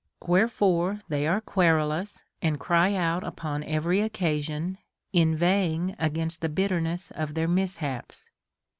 Wherefore they are querulous and cry out upon every occasion, inveighing against the bitter ness of their mishaps.